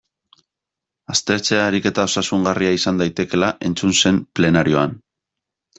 Aztertzea ariketa osasungarria izan daitekeela entzun zen plenarioan.